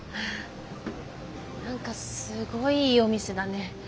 何かすごいいいお店だね。